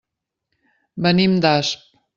Venim d'Asp.